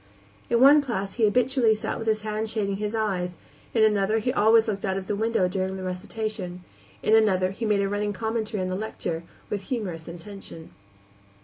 In one class he habitually sat with his hand shading his eyes; in another he always looked out of the window during the recitation; in another he made a running commentary on the lecture, with humorous intention.